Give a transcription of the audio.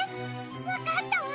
わかったわ。